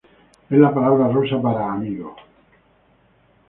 Es la palabra rusa para "amigo".